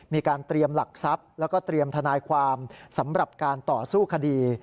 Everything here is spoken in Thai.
มีการเตรียมหลักทรัพย์แล้วก็เตรียมทนายความสำหรับการต่อสู้คดี